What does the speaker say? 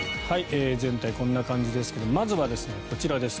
全体、こんな感じですがまずはこちらです。